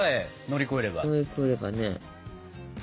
乗り越えればね。